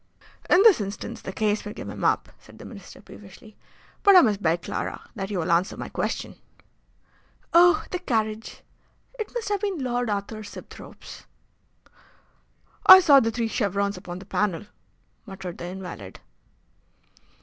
"In this instance the case may give him up," said the Minister, peevishly; "but I must beg, Clara, that you will answer my question." "Oh! the carriage! It must have been Lord Arthur Sibthorpe's." "I saw the three chevrons upon the panel," muttered the invalid.